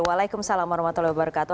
waalaikumsalam warahmatullahi wabarakatuh